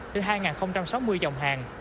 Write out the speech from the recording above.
từ hai sáu mươi dòng hàng